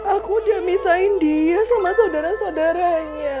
aku udah misain dia sama sodara sodaranya